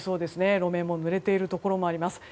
路面が濡れているところもあります。